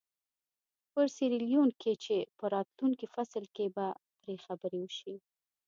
په سیریلیون کې چې په راتلونکي فصل کې به پرې خبرې وشي.